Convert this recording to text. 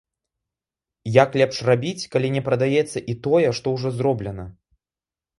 Як лепш рабіць, калі не прадаецца і тое, што ўжо зроблена?